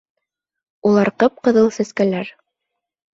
Улар ҡып-ҡыҙыл сәскәләр.